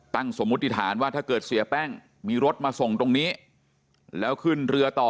สมมุติฐานว่าถ้าเกิดเสียแป้งมีรถมาส่งตรงนี้แล้วขึ้นเรือต่อ